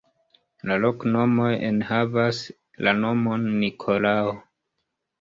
La loknomoj enhavas la nomon Nikolao.